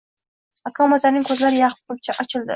Akrom otaning ko`zlari yarq qilib ochildi